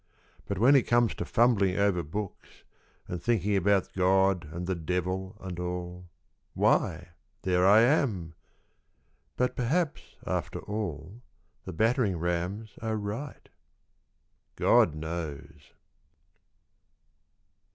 But when it comes to fumbling over books And thinking about God and the Devil and all, Why, there I am ! But perhaps after all the battering rams are right. ... God knows.